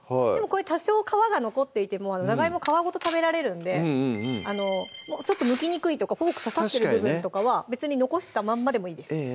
これ多少皮が残っていても長いも皮ごと食べられるんでちょっとむきにくいとかフォーク刺さってる部分とかは別に残したまんまでもいいです